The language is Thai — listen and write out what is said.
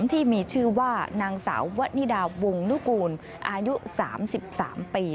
ที่มีชื่อว่านางสาววะนิดาวงนุกูลอายุ๓๓ปี